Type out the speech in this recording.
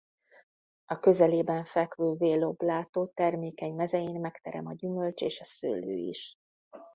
A közelében fekvő Velo Blato termékeny mezején megterem a gyümölcs és a szőlő is.